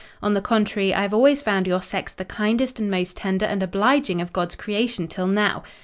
On the contrary, I have always found your sex the kindest and most tender and obliging of God's creation, till now.